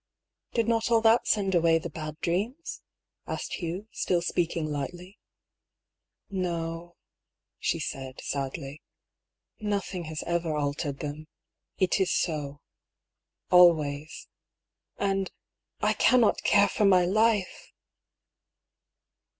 ^' Did not all that send away the bad dreams? " asked Hugh, still speaking lightly. " No," she said, sadly, " Nothing has ever altered them. It is so — always. And I cannot care for my life